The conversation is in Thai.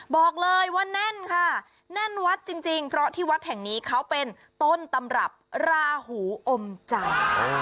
บอกเลยว่าแน่นค่ะแน่นวัดจริงเพราะที่วัดแห่งนี้เขาเป็นต้นตำรับราหูอมจันทร์ค่ะ